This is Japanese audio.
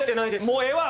もうええわ！